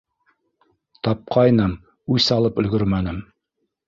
Тапҡайным, үс алып өлгөрмәнем.